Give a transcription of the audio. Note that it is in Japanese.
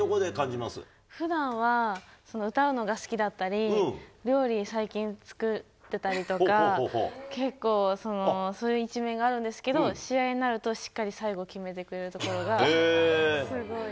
ふだんは歌うのが好きだったり、料理、最近、作ってたりとか、結構、そういう一面があるんですけど、試合になると、しっかり最後決めてくれるところが、すごい。